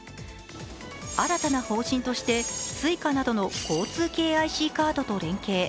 新たな方針としてＳｕｉｃａなどの交通系ＩＣカードと連携。